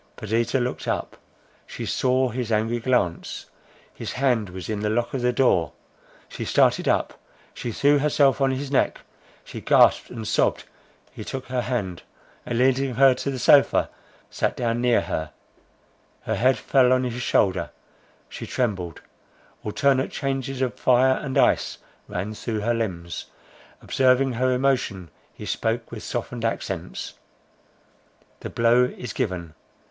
Perdita looked up; she saw his angry glance; his hand was on the lock of the door. She started up, she threw herself on his neck, she gasped and sobbed; he took her hand, and leading her to the sofa, sat down near her. Her head fell on his shoulder, she trembled, alternate changes of fire and ice ran through her limbs: observing her emotion he spoke with softened accents: "The blow is given.